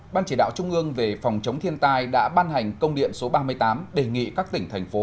ban chỉ đạo trung ương về phòng chống thiên tai đã ban hành công điện số ba mươi tám đề nghị các tỉnh thành phố